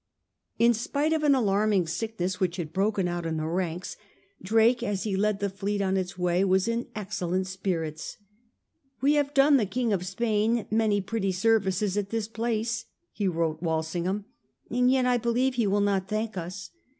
In spite of an alarming sickness which had broken out in the ranks, Drake as he led the fleet on its way was in excellent spirits. ^' We have done the King of Spain many pretty services at this place," he told Wal singham, "and yet I believe he will not thank us."